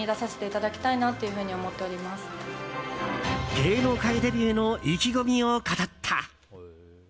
芸能界デビューの意気込みを語った。